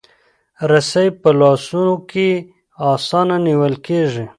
رسۍ په لاسو کې اسانه نیول کېږي.